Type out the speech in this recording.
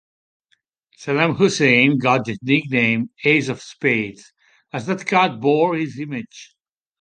Saddam Hussein got the nickname "Ace of Spades" as that card bore his image.